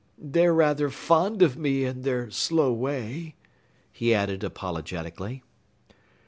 They're rather fond of me in their slow way," he added apologetically.